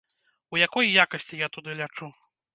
У якой якасці я туды лячу?